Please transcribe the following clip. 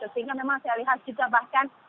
sehingga memang saya lihat juga bahkan